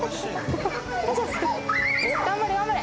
頑張れ頑張れ。